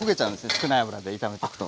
少ない油で炒めていくと。